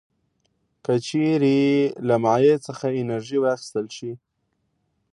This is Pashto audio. که چیرې له مایع څخه انرژي واخیستل شي.